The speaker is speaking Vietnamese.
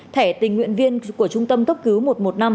thẻ tình nguyện viên của trung tâm cấp cứu một một năm